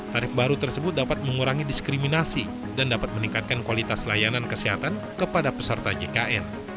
tarif baru tersebut dapat mengurangi diskriminasi dan dapat meningkatkan kualitas layanan kesehatan kepada peserta jkn